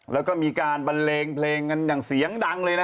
แล้วก็มีการบันเลงเพลงกันอย่างเสียงดังเลยนะ